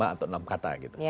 lima atau enam kata gitu